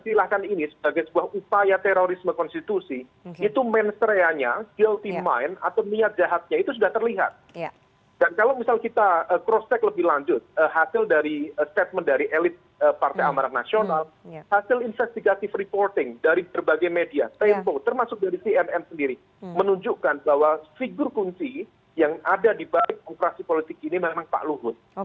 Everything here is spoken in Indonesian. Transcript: dan ini juga adalah sebuah emosi tidak percaya terhadap kredibilitas